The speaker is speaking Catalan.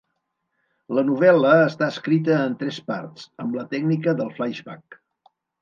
La novel·la està escrita en tres parts, amb la tècnica del flaixbac.